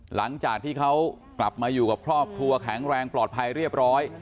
หลังจากที่เขากลับมาอยู่กับครอบครัวแข็งแรงปลอดภัยเรียบร้อย